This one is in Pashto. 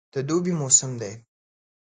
د دوبي موسم دی.